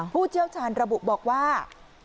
ผู้เชี่ยวชาญระบุบอกว่า